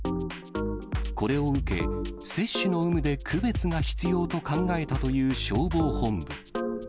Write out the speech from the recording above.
これを受け、接種の有無で区別が必要と考えたという消防本部。